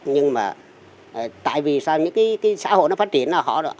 nhưng mà tại vì sao những cái xã hội nó phát triển